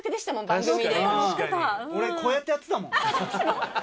俺こうやってやってたもん。